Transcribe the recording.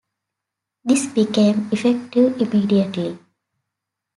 This became effective immediately.